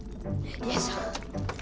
よいしょ。